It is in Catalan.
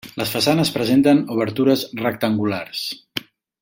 Les façanes presenten obertures rectangulars.